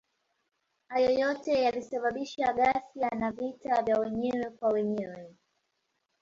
Hayo yote yalisababisha ghasia na vita ya wenyewe kwa wenyewe.